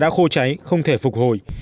đã khô cháy không thể phục hồi